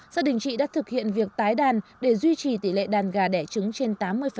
gia đình chị đã thực hiện việc tái đàn để duy trì tỷ lệ đàn gà đẻ trứng trên tám mươi